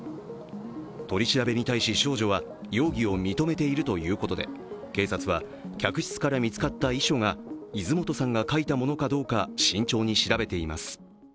取り調べに対し少女は容疑を認めているということで警察は客室から見つかった遺書が泉本さんが書いたものかどうか慎重に調べています。